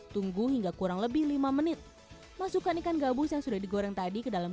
tunggu hingga kurang lebih lima menit masukkan ikan gabus yang sudah digoreng tadi ke dalam